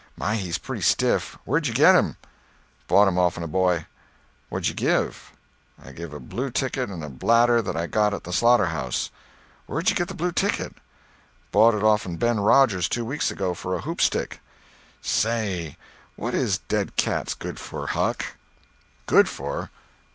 My, he's pretty stiff. Where'd you get him?" "Bought him off'n a boy." "What did you give?" "I give a blue ticket and a bladder that I got at the slaughter house." "Where'd you get the blue ticket?" "Bought it off'n Ben Rogers two weeks ago for a hoop stick." "Say—what is dead cats good for, Huck?" "Good for?